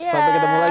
sampai ketemu lagi